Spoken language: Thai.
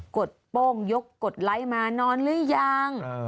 กดโป้งยกกดไลค์มานอนหรือยัง